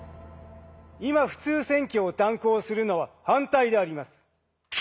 今普通選挙を断行するのは反対であります。